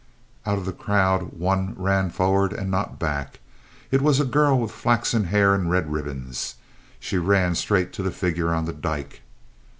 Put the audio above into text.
Out of the crowd one ran forward and not back. It was a girl with flaxen hair and red ribbons. She ran straight to the figure on the dyke.